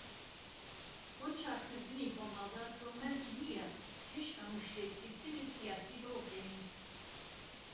بۆ چاکردنی کۆمەلگا تۆ مەرج نییە پێش هەمو شتێك سیستەمی سیاسی بروخێنی.